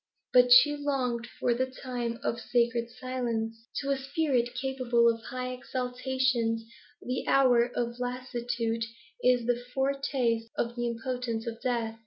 But she longed for the time of sacred silence. To a spirit capable of high exaltations, the hour of lassitude is a foretaste of the impotence of death.